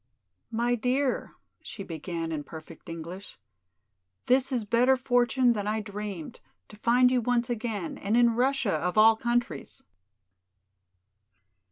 "My dear," she began in perfect English, "this is better fortune than I dreamed, to find you once again, and in Russia, of all countries!"